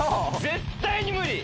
絶対に無理！